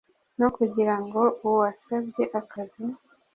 no kugira ngo uwasabye akazi,